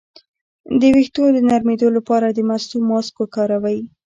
د ویښتو د نرمیدو لپاره د مستو ماسک وکاروئ